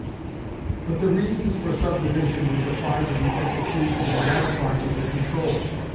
But the reasons for subdivision which apply to the execution do not apply to the control.